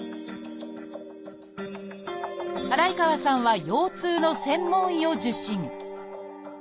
祓川さんは腰痛の専門医を受診